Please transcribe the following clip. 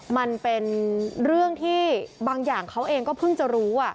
มันเป็นเรื่องที่บางอย่างเขาเองก็เพิ่งจะรู้